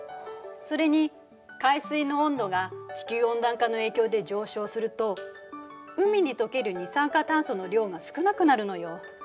それに海水の温度が地球温暖化の影響で上昇すると海に溶ける二酸化炭素の量が少なくなるのよ。